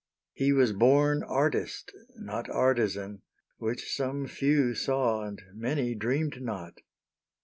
He was born Artist, not artisan, which some few saw And many dreamed not.